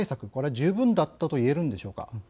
十分だったといえるんでしょうか。